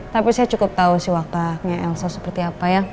tapi saya cukup tahu sih waktunya elso seperti apa